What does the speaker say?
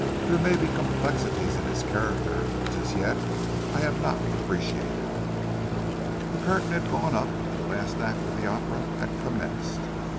There may be complexities in his character which as yet I have not appreciated." The curtain had gone up and the last act of the opera had commenced.